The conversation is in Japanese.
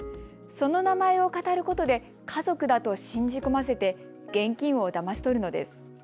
その名前をかたることで家族だと信じ込ませて現金をだまし取るのです。